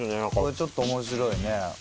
これちょっと面白いね。